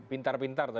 pintar pintar tadi ya